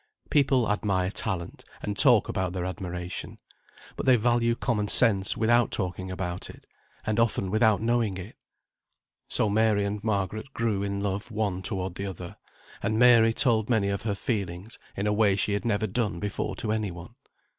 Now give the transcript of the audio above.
People admire talent, and talk about their admiration. But they value common sense without talking about it, and often without knowing it. So Mary and Margaret grew in love one toward the other; and Mary told many of her feelings in a way she had never done before to any one.